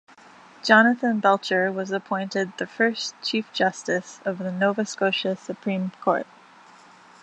Jonathan Belcher was appointed the first Chief Justice of the Nova Scotia Supreme Court.